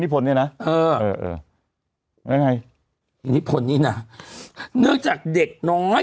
นิพนธ์เนี่ยนะเออเออเออยังไงนิพนธ์นี่น่ะเนื่องจากเด็กน้อย